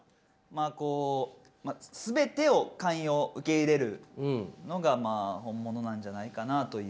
まあこう全てを寛容受け入れるのが本物なんじゃないかなという。